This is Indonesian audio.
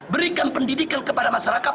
berikan pendidikan kepada masyarakat